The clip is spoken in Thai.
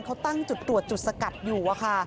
เขาตั้งจุดตรวจจุดสกัดอยู่